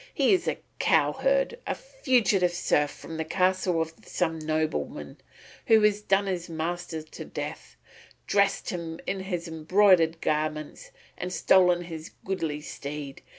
He is a cow herd, a fugitive serf from the castle of some nobleman, who has done his master to death, dressed himself in his embroidered garments, and stolen his goodly steed.